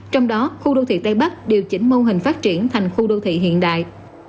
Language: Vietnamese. trong đó khu đô thị tây bắc điều chỉnh mô hình phát triển thành khu đô thị hiện đại